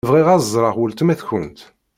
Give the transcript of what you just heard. Bɣiɣ ad ẓṛeɣ weltma-tkent.